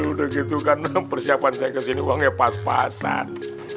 udah gitu karena persiapan saya kesini uangnya pas pasan